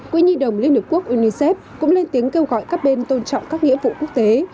quỹ nhi đồng liên hợp quốc unicef cũng lên tiếng kêu gọi các bên tôn trọng các nghĩa vụ quốc tế